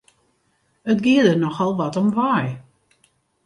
It gie der nochal wat om wei!